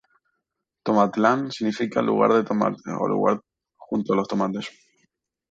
Tomatlán significa: ""lugar de tomates"" o ""lugar junto a los tomates"".